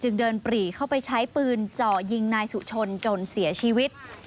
เดินปรีเข้าไปใช้ปืนเจาะยิงนายสุชนจนเสียชีวิต